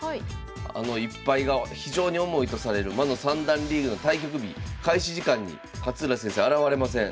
あの１敗が非常に重いとされる魔の三段リーグの対局日開始時間に勝浦先生現れません。